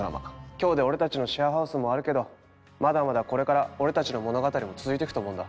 今日で俺たちのシェアハウスも終わるけどまだまだこれから俺たちの物語も続いてくと思うんだ。